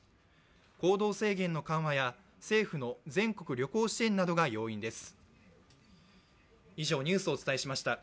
行動制限の緩和や、政府の全国旅行支援などが要因です。